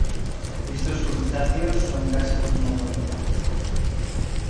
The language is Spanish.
Estos crustáceos son casi cosmopolitas.